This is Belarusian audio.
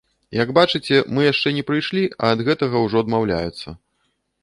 Як бачыце, мы яшчэ не прыйшлі, а ад гэтага ўжо адмаўляюцца.